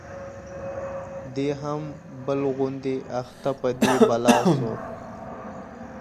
دی هم بل غوندي اخته په دې بلا سو،